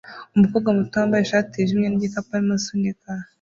Umukobwa muto wambaye ishati yijimye nigikapu arimo asunika